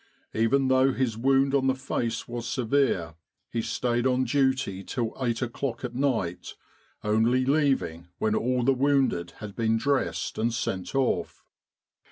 Even though his wound on the face was severe, he stayed on duty till eight o'clock at night, only leaving when all the wounded had been dressed and sent off.